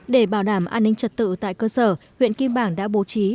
để bảo đảm an ninh trật tự tại cơ sở huyện kim bảng đã bố trí